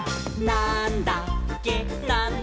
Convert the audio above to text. なんだっけ？！」